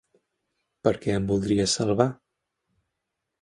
Per què em voldries salvar?